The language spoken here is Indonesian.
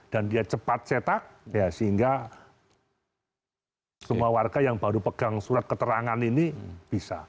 dan dia cepat cetak ya sehingga semua warga yang baru pegang surat keterangan ini bisa